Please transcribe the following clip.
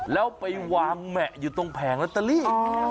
แล้วไปวางแหมะอยู่ตรงแผงลอตเตอรี่